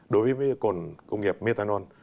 đối với cồn công nghiệp methanol